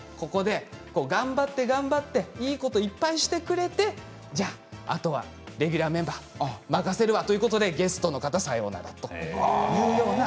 頑張っていいことをしてくれてじゃああとはレギュラーメンバー任せるわということでゲストの方さようならというような。